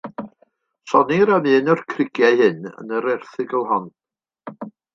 Sonnir am un o'r crugiau hyn yn yr erthygl hon.